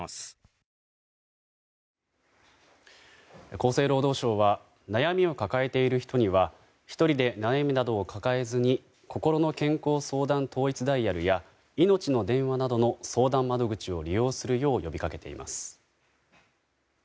厚生労働省は悩みを抱えている人には１人で悩みなどを抱えずにこころの健康相談統一ダイヤルやいのちの電話などの相談窓口を利用するよう呼びかけています。